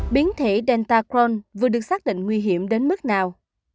biến thể delta cron vừa được xác định nguy hiểm đến mức nào